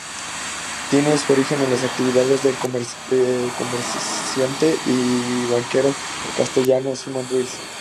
Tiene su origen en las actividades del comerciante y banquero castellano Simón Ruiz.